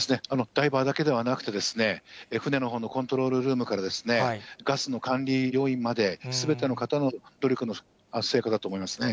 ダイバーだけではなくて、船のほうのコントロールルームから、ガスの管理要員まで、すべての方の努力の成果だと思いますね。